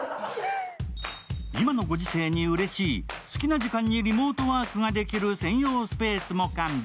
今のご時世にうれしい、好きな時間にリモートワークができる専用スペースも完備。